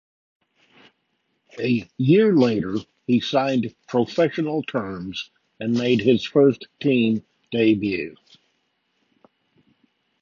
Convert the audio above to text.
A year later, he signed professional terms and made his first team debut.